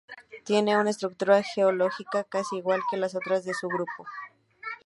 Tiene una estructura geológica casi igual que las otras de su grupo.